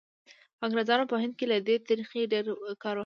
انګریزانو په هند کې له دې طریقې ډېر کار واخیست.